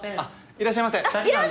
いらっしゃいませ！